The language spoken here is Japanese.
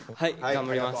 頑張ります。